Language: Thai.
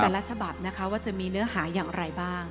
แต่ละฉบับนะคะว่าจะมีเนื้อหาอย่างไรบ้าง